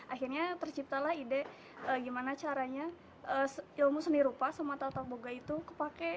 akhirnya terciptalah ide gimana caranya ilmu seni rupa sama tata boga itu kepake